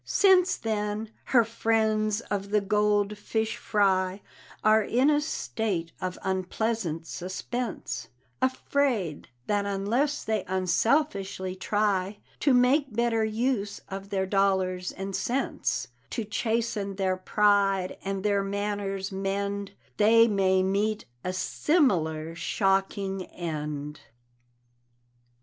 Since then, her friends of the gold fish fry Are in a state of unpleasant suspense, Afraid, that unless they unselfishly try To make better use of their dollars and sense To chasten their pride, and their manners mend, They may meet a similar shocking end.